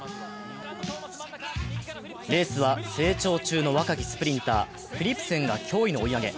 レースは、成長中の若きスプリンター、フィリプセンが驚異の追い上げ。